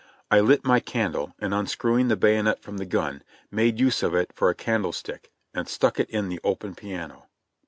I lit my candle, and unscrewing the bayonet from the gun, made use of it for a candlestick, and stuck it in the open piano.